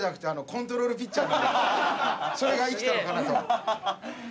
それが生きたのかなと。